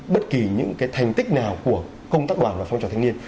bất kỳ những cái thành tích nào của công tác đoàn và phong trọng thanh niên